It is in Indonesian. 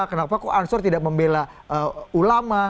kenapa kok ansor tidak membela ulama